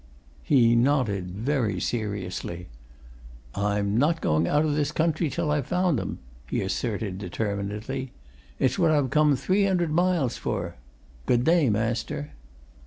He nodded, very seriously. "I'm not going out o' this country till I've found 'em!" he asserted determinedly. "It's what I've come three hundred miles for. Good day, master."